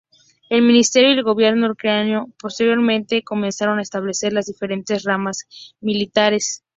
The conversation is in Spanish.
El ministerio y el gobierno ucraniano posteriormente, comenzaron a establecer las diferentes ramas militares.